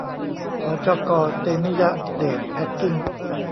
หจก.เตมิยะเดชแพคกิ้ง